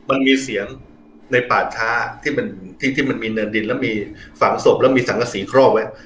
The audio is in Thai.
มันมีเสียงในป่าช้าที่เป็นที่มันมีเนินดินแล้วมีฝังศพแล้วมีสังกษีครอบไว้